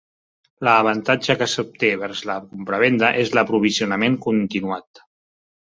L'avantatge que s'obté vers la compravenda és l'aprovisionament continuat.